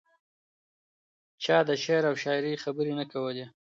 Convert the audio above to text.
چا د شعر او شاعرۍ خبرې نه کولې.